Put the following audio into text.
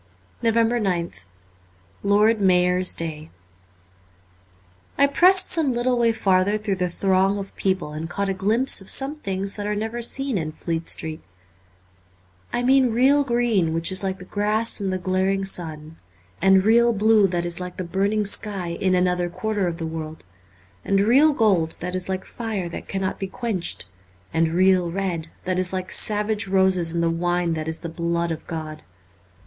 348 NOVEMBER 9th LORD MAYOR'S DAY I PRESSED some little way farther through the throng of people, and caught a glimpse of some things that are never seen in Fleet Street, I mean real green which is like the grass in the glar ing sun, and real blue that is like the burning sky in another quarter of the world, and real gold that is like fire that cannot be quenched, and real red that is like savage roses and the wine that is the blood of God.